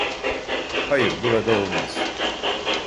Hayır, burada olmaz.